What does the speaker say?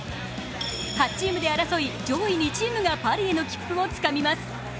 ８チームで争い上位２チームがパリへの切符をつかみます。